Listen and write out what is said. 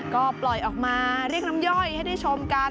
ก็ปล่อยออกมาเรียกน้ำย่อยให้ได้ชมกัน